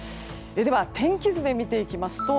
天気図で見ていきますと